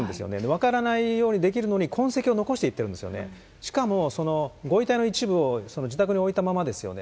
分からないようにできるのに、痕跡を残していってるんですよね、しかもご遺体の一部を自宅に置いたままですよね。